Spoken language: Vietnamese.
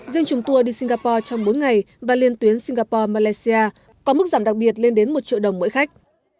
riêng trùng tour đi singapore trong bốn ngày và liên tuyến singapore malaysia có mức giảm đặc biệt lên đến một triệu đồng mỗi khách